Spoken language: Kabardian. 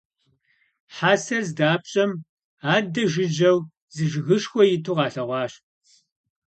Хьэсэр здапщӀэм, аддэ жыжьэу зы жыгышхуэ иту къалъэгъуащ.